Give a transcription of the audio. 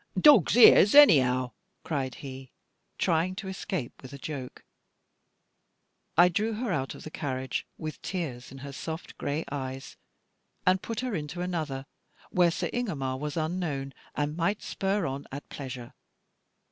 "Dog's ears, anyhow," cried he, trying to escape with a joke. I drew her out of the carriage, with tears in her soft gray eyes, and put her into another, where Sir Ingomar was unknown, and might spur on at pleasure.